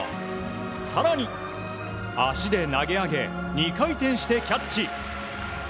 更に、足で投げ上げ２回転してキャッチ。